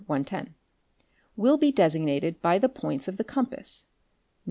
110) will be desig ¢ nated by the points of the compass—N.S.